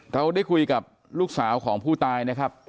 เราได้คุยกับลูกสาวของผู้ตายนะครับ